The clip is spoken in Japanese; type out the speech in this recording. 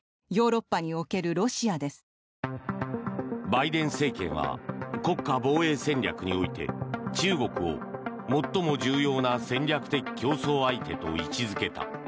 バイデン政権は国家防衛戦略において中国を最も重要な戦略的競争相手と位置付けた。